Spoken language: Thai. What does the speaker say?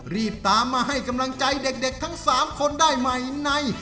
รีบตามมาให้กำลังใจเด็กทั้ง๓คนได้ใหม่ใน